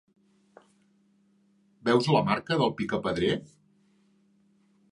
Veus la marca del picapedrer?